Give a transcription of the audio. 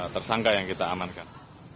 tersangka yang kita amankan